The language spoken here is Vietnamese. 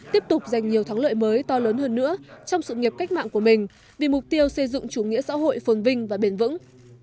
tiếp tục giành nhiều thắng lợi mới to lớn hơn nữa trong sự nghiệp cách mạng của mình vì mục tiêu xây dựng chủ nghĩa xã hội phồn vinh và bền vững